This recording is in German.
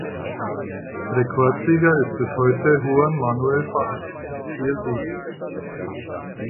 Rekordsieger ist bis heute Juan Manuel Fangio mit vier Siegen.